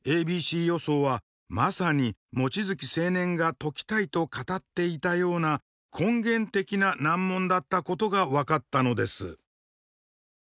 ａｂｃ予想はまさに望月青年が解きたいと語っていたような根源的な難問だったことが分かったのです。